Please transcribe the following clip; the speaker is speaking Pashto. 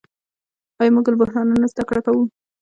آیا موږ له بحرانونو زده کړه کوو؟